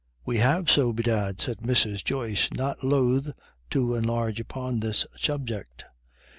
"We have so bedad," said Mrs. Joyce, not loth to enlarge upon this subject.